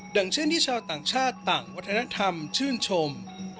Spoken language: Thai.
อย่างเช่นที่ชาวต่างชาติต่างวัฒนธรรมชื่นชม